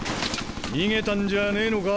逃げたんじゃねえのか？